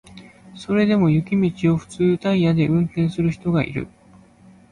それでも雪道を普通タイヤで運転する人がいる